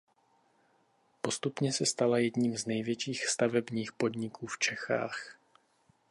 Postupně se stala jedním z největších stavebních podniků v Čechách.